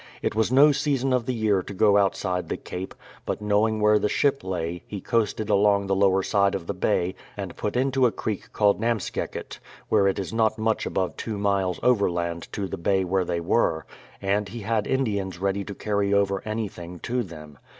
It was no season of the year to go outside the Cape: but knowing where the ship lay, he coasted along the lower side of the Bay and put into a creek called Namskeket, where it is not much above two miles overland to the bay where they were ; and he had Indians ready to carry over anything to them.